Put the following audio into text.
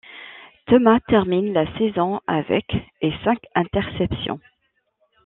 Thomas termine la saison avec et cinq interceptions.